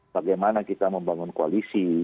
bagaimana kita membangun koalisi